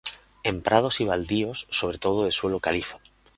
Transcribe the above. En prados y baldíos sobre todo de suelo calizo.